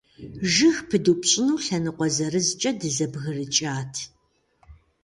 Жыг пыдупщӀыну лъэныкъуэ зырызкӀэ дызэбгрыкӀат.